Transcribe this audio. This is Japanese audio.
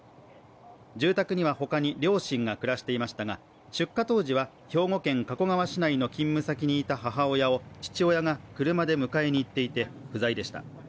住宅には他に両親が暮らしていましたが出火当時は兵庫県加古川市内の勤務先にいた母親を父親が車で迎えに行っていて不在でした。